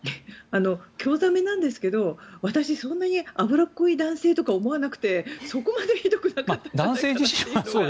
興ざめなんですけど私、そんなに脂っこい男性とか思わなくてそこまでひどくなかったかなと。